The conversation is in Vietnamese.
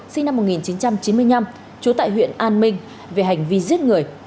sinh năm một nghìn chín trăm chín mươi năm trú tại huyện an minh về hành vi giết người